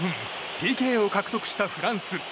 ＰＫを獲得したフランス。